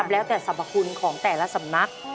แล้วแต่สรรพคุณของแต่ละสำนัก